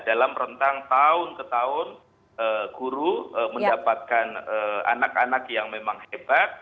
dalam rentang tahun ke tahun guru mendapatkan anak anak yang memang hebat